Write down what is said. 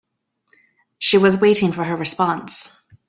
She was waiting for her response.